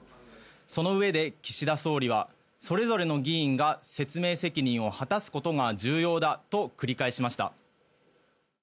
そのうえで、岸田総理はそれぞれの議員が説明責任を果たすことが重要だと繰り返しました。